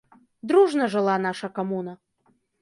Дружна жыла наша камуна.